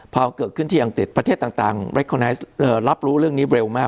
พอเกิดขึ้นที่อังกฤษประเทศต่างเรคโอร์ไนท์รับรู้เรื่องนี้เร็วมาก